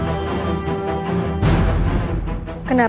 saya tidak akan menghadapnya